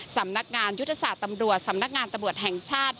สำนักงานยุทธศาสตร์ตำรวจสำนักงานตำรวจแห่งชาติ